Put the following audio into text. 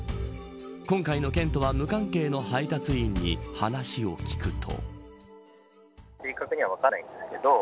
今回の件とは無関係の配達員に話を聞くと。